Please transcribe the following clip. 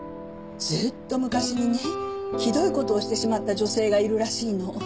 ずっと昔にねひどい事をしてしまった女性がいるらしいの。